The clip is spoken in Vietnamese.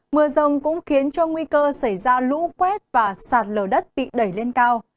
mưa rông cũng khiến cho nguy cơ xảy ra lũ quét và sạt lở đất bị đẩy lên cao